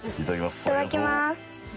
いただきます。